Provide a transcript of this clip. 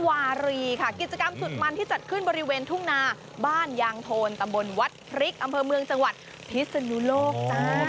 อัลพอร์มูล่าวันที่จัดขึ้นบริเวณทุ่งนาบ้านยางโทนตำบลวัดฟริกอำเภอเมืองจังหวัดพิศนุโลกจ้า